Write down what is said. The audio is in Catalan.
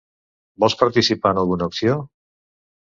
Vols participar en alguna acció?